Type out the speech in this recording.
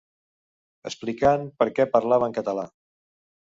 Explicant per què parlava en català.